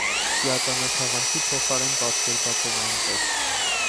Ծիածանաթաղանթի փոխարեն պատկերված են ամպեր։